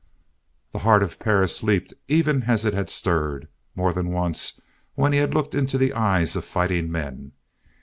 The heart of Perris leaped even as it had stirred, more than once, when he had looked into the eyes of fighting men.